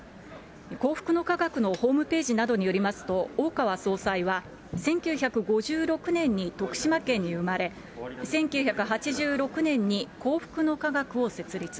幸福の科学のホームページなどによりますと、大川総裁は、１９５６年に徳島県に生まれ、１９８６年に幸福の科学を設立。